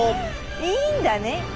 いいんだね。